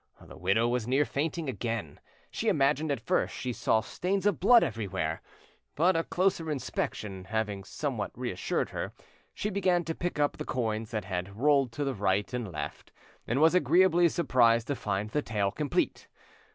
The widow was near fainting again: she imagined at first she saw stains of blood everywhere, but a closer inspection having somewhat reassured her, she began to pick up the coins that had rolled to right and left, and was agreeably surprised to find the tale complete.